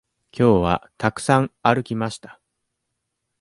きょうはたくさん歩きました。